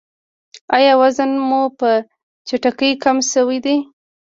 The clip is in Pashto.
ایا وزن مو په چټکۍ کم شوی دی؟